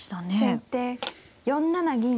先手４七銀。